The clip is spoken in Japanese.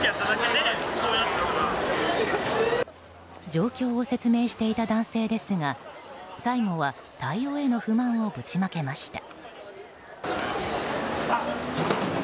状況を説明していた男性ですが最後は対応への不満をぶちまけました。